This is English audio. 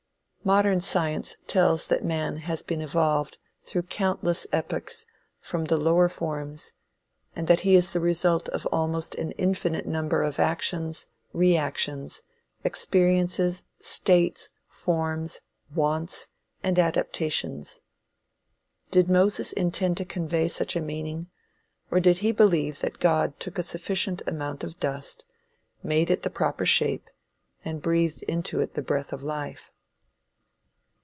Modern science tells that man has been evolved, through countless epochs, from the lower forms; that he is the result of almost an infinite number of actions, reactions, experiences, states, forms, wants and adaptations. Did Moses intend to convey such a meaning, or did he believe that God took a sufficient amount of dust, made it the proper shape, and breathed into it the breath of life?